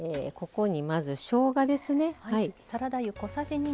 ここにまずしょうがですね。